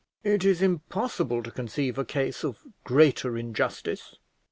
It is impossible to conceive a case of greater injustice.